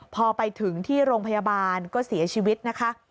พอไปถึงที่โรงพยาบาลก็เสียชีวิตนะคะ